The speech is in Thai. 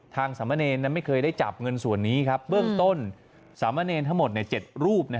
ทางสามเมินไม่เคยได้จับเงินส่วนนี้ครับเบื้องต้นสามเมินทั้งหมดใน๗รูปนะครับ